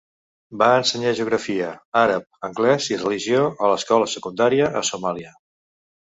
Va ensenyar geografia, àrab, anglès i religió a l'escola secundària a Somàlia.